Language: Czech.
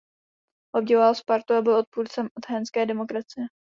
Obdivoval Spartu a byl odpůrcem athénské demokracie.